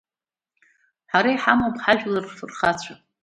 Ҳара иҳамоуп ҳажәлар рфырхацәа…